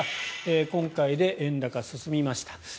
今回で円高が進みました。